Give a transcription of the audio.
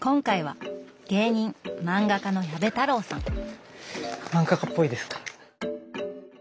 今回は漫画家っぽいですか。